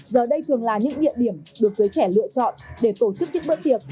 giờ đây thường là những địa điểm được giới trẻ lựa chọn để tổ chức những bữa tiệc